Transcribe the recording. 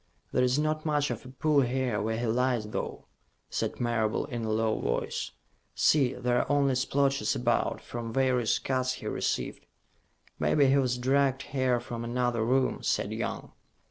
"There is not much of a pool here where he lies, though," said Marable, in a low voice. "See, there are only splotches about, from various cuts he received." "Maybe he was dragged here from another room," said Young.